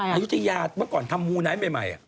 อายุทยาเมื่อก่อนทำมูไนท์ใหม่